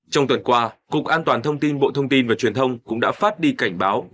trong tuần qua cục an toàn thông tin bộ thông tin và truyền thông cũng đã phát đi cảnh báo